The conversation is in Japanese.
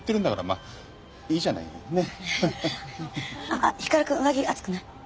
あっ光くん上着暑くない？